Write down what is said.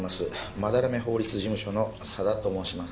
斑目法律事務所の佐田と申します